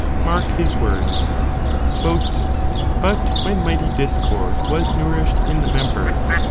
Mark his words :—" But when mighty discord' was nourished in the members.